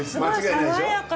爽やか？